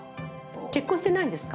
結婚してないんですか？